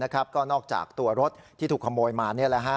ก็นอกจากตัวรถที่ถูกขโมยมา